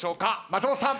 松本さん。